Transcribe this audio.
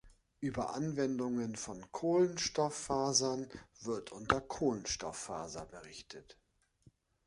Über Anwendungen von Kohlenstofffasern wird unter Kohlenstofffaser berichtet.